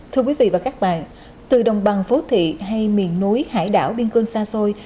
thưa quý vị và các bạn từ đồng bằng phố thị hay miền núi hải đảo biên cương xa xôi